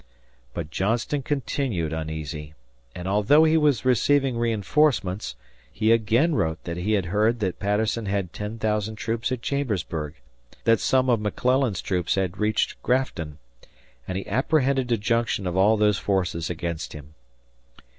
But Johnston continued uneasy and, although he was receiving reinforcements, he again wrote that he had heard that Patterson had 10,000 troops at Chambersburg, that some of McClellan's troops had reached Grafton, and he apprehended a junction of all of those forces against him.